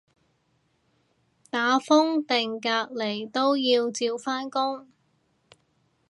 打風定隔離都要照返工